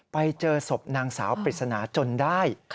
ไปเจอศพนางสาวปริศนาจนได้